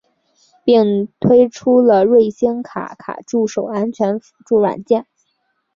并推出了瑞星卡卡助手安全辅助软件。